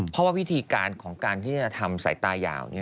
เพราะว่าวิธีการของการที่จะทำสายตายาว